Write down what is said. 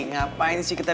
nah raysh mandy keliru kita